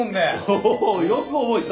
およく覚えてたね。